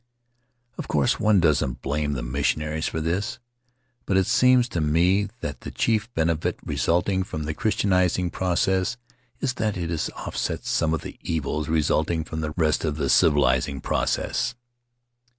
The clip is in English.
Of course one doesn't blame the missionaries for this; but it seems to me that the chief benefit resulting from the Christianizing process is that it has offset some of the evils resulting from the rest of the civilizing process.